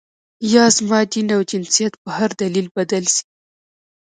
یا زما دین او جنسیت په هر دلیل بدل شي.